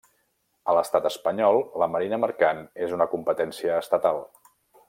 A l'Estat Espanyol, la marina mercant és una competència estatal.